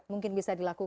mungkin bisa dilakukan